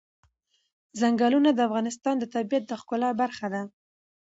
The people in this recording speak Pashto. ځنګلونه د افغانستان د طبیعت د ښکلا برخه ده.